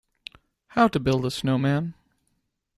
How to build a snowman.